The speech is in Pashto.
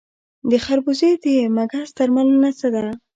د خربوزې د مګس درملنه څه ده؟